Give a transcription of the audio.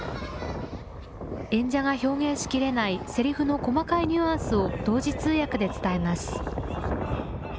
演者が表現しきれないせりふの細かいニュアンスを同時通訳で伝えます。